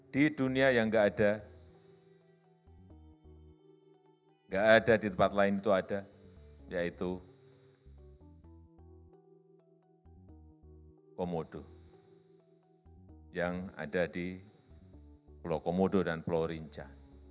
tidak ada di tempat lain itu ada yaitu komodo yang ada di pulau komodo dan pulau rinca